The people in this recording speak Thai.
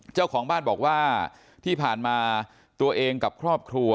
เจ้าของบ้านบอกว่าที่ผ่านมาตัวเองกับครอบครัว